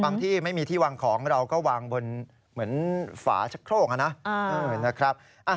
ที่ไม่มีที่วางของเราก็วางบนเหมือนฝาชะโครกนะครับ